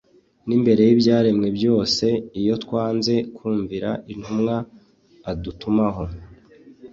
n'imbere y'ibyaremwe byose iyo twanze kumvira intumwa adutumaho,